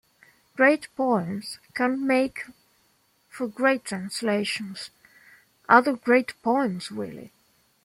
Great poems can make for great translations, other great poems really.